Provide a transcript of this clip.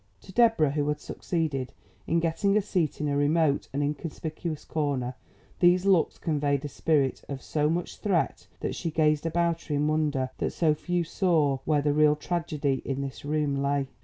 To Deborah, who had succeeded in getting a seat in a remote and inconspicuous corner, these looks conveyed a spirit of so much threat that she gazed about her in wonder that so few saw where the real tragedy in this room lay.